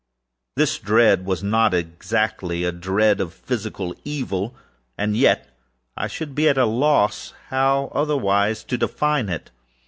This dread was not exactly a dread of physical evilâand yet I should be at a loss how otherwise to define it.